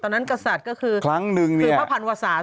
แต่ตอนนั้นกษัตริย์ก็คือแล้วผ่านวสาท